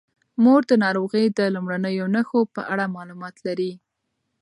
مور د ناروغۍ د لومړنیو نښو په اړه معلومات لري.